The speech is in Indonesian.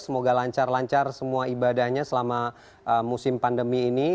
semoga lancar lancar semua ibadahnya selama musim pandemi ini